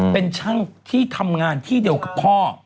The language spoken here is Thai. เป็นช่างที่ทำงานที่เดียวกับพ่อ